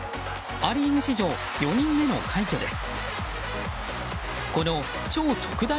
ア・リーグ史上４人目の快挙です。